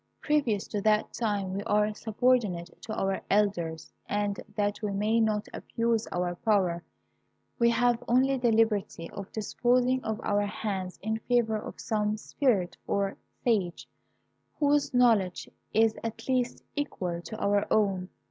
Previous to that time we are subordinate to our elders, and that we may not abuse our power, we have only the liberty of disposing of our hands in favour of some spirit or sage whose knowledge is at least equal to our own.